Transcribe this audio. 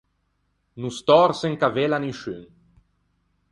No stòrse un cavello à nisciun.